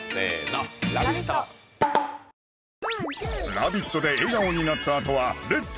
「ラヴィット！」で笑顔になったあとは「レッツ！